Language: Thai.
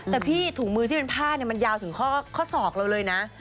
แต่พี่ถุงมือที่เป็นผ้ามันยาวถึงข้อศอกเราเลยนะ